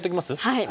はい。